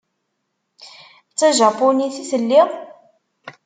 D tajapunit i telliḍ?